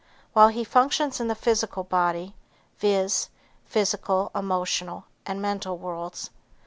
While he functions in the physical body, viz., physical, emotional and mental worlds.